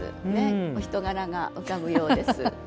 お人柄が浮かぶようです。